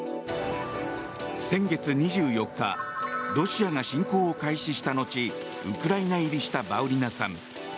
先月２４日ロシアが侵攻を開始したのちウクライナ入りしたバウリナさん。